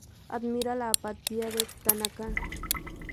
Admira la apatía de Tanaka.